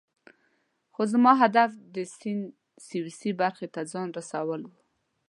خو زما هدف د سیند سویسی برخې ته ځان رسول وو.